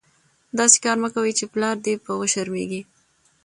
داسي کار مه کوئ، چي پلار دي په وشرمېږي.